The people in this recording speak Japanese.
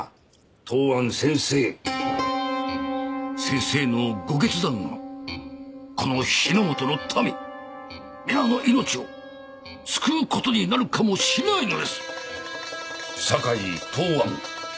東庵先生先生のご決断がこの日の本の民皆の命を救うことになるかもしれないのです酒井東庵